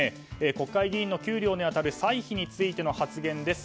国会議員の給料に当たる歳費についての発言です。